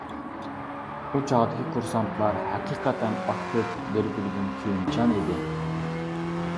ئۇ چاغدىكى كۇرسانتلار ھەقىقەتەن ئاكتىپ، بىر-بىرىدىن كۆيۈمچان ئىدى.